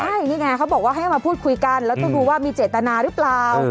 ใช่นี่ไงเขาบอกว่าให้มาพูดคุยกันแล้วต้องดูว่ามีเจตนาหรือเปล่า